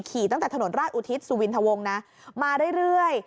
ตั้งแต่ถนนราชอุทิศสุวินทวงนะมาเรื่อย